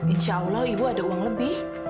insya allah ibu ada uang lebih